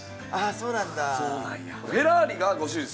そうなんや。